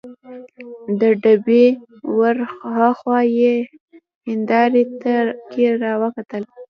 د ډبې ور هاخوا یې په هندارې کې راته وکتل.